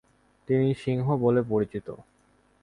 তিনি সিংহ বলে পরিচিত।